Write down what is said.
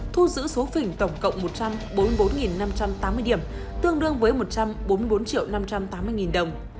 thu giữ số phỉnh tổng cộng một trăm bốn mươi bốn năm trăm tám mươi điểm tương đương với một trăm bốn mươi bốn triệu năm trăm tám mươi đồng